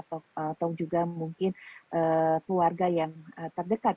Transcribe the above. atau juga mungkin keluarga yang terdekat